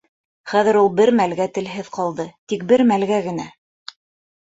Хәҙер ул бер мәлгә телһеҙ ҡалды, тик бер мәлгә генә.